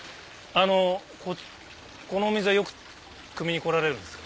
あのこのお水はよくくみに来られるんですか？